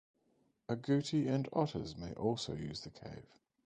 Agouti and otters may also use the cave.